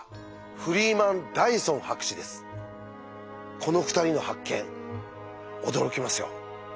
この２人の発見驚きますよ。